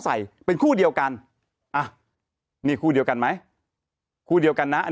ใส่เป็นคู่เดียวกันอ่ะนี่คู่เดียวกันไหมคู่เดียวกันนะ